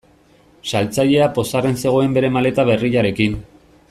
Saltzailea pozarren zegoen bere maleta berriarekin.